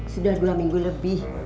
sudah dua minggu lebih